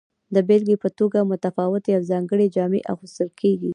د بیلګې په توګه متفاوتې او ځانګړې جامې اغوستل کیږي.